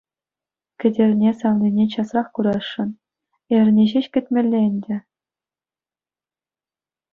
Кӗтерне савнине часрах курасшӑн, эрне ҫеҫ кӗтмелле ӗнтӗ.